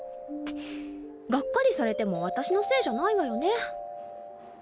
ガッカリされても私のせいじゃないわよね。